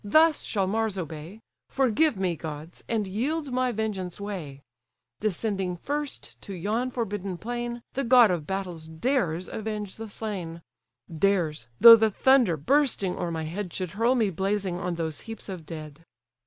thus shall Mars obey; Forgive me, gods, and yield my vengeance way: Descending first to yon forbidden plain, The god of battles dares avenge the slain; Dares, though the thunder bursting o'er my head Should hurl me blazing on those heaps of dead."